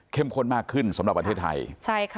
เข้มข้นมากขึ้นสำหรับประเทศไทย